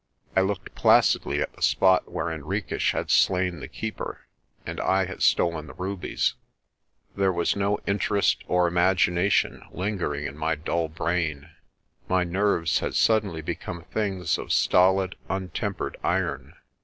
I looked placidly at the spot where Henriques had slain the Keeper and I had stolen the rubies. There was no inter 232 LAST SIGHT OF LAPUTA 233 est or imagination lingering in my dull brain. My nerves had suddenly become things of stolid, untempered iron.